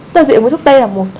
từ dị ứng với thuốc t là một